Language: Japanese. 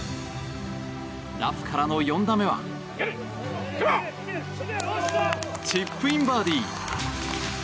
ラフからの４打目はチップインバーディー！